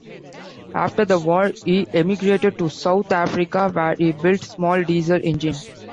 After the war, he emigrated to South Africa where he built small diesel engines.